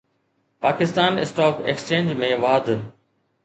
Pakistan stock exchange ۾ واڌ